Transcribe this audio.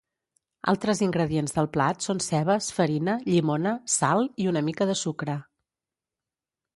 Altres ingredients del plat són cebes, farina, llimona, sal i una mica de sucre.